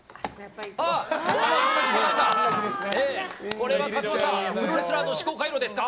これは勝俣さんプロレスラーの思考回路ですか？